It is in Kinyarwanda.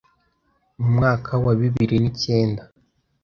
Mu mwaka wa bibiri ni cyenda